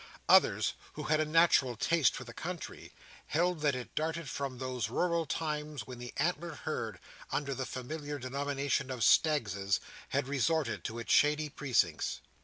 Others, who had a natural taste for the country, held that it dated from those rural times when the antlered herd, under the familiar denomination of Staggses, had resorted to its shady precincts.